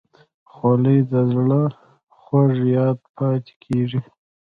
خولۍ د زړه خوږ یاد پاتې کېږي.